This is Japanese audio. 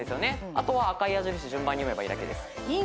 あとは赤い矢印順番に読めばいいだけです。